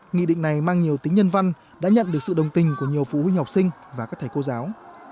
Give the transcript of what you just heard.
nghị định này mang nhiều tính nhân văn đã nhận được sự đồng tình của nhiều phụ huynh học sinh và các thầy cô giáo